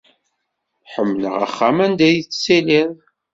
Ḥemmleɣ axxam anda i tettiliḍ.